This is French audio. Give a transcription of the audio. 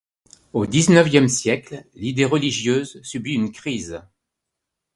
Au dix-neuvième siècle, l'idée religieuse subit une crise.